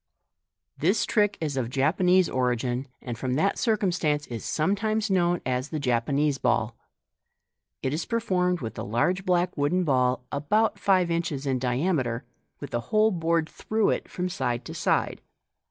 — This trick is of Japanese origin, and from that circumstance is sometimes known as the Japanese Ball. It is performed with a large black wooden ball, about five inrhes in diameter, with a hole bored through it from side to side.